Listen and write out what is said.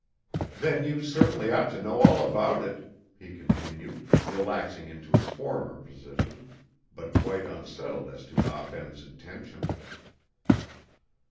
"Then you certainly ought to know all about it," he continued, relaxing into his former position, but quite unsettled as to Ah Ben's intention.